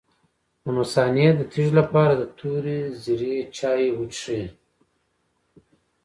د مثانې د تیږې لپاره د تورې ږیرې چای وڅښئ